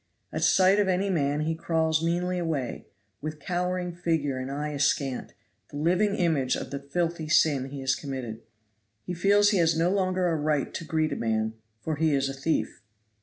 At sight of any man he crawls meanly away, with cowering figure and eye askant, the living image of the filthy sin he has committed. He feels he has no longer a right to greet a man, for he is a thief.